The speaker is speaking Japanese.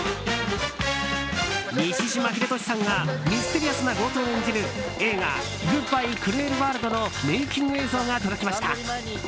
西島秀俊さんがミステリアスな強盗を演じる映画「グッバイ・クルエル・ワールド」のメイキング映像が届きました。